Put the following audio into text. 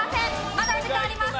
まだお時間あります。